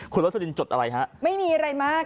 คุณวัดสุรินทร์จดอะไรฮะไม่มีอะไรมาก